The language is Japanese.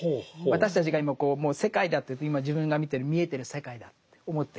私たちが今世界だといって今自分が見てる見えてる世界だと思ってる。